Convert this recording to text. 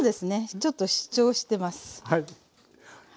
ちょっと主張してます。